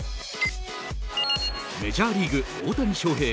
メジャーリーグ、大谷翔平